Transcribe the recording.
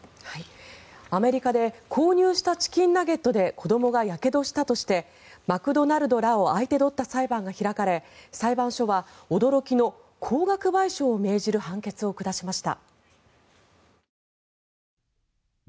アメリカで購入したチキンナゲットで子どもがやけどしたとしてマクドナルドらを相手取った裁判が開かれ裁判所は驚きの高額賠償を命じる判決を下しました。